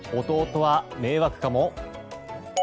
弟は迷惑かも？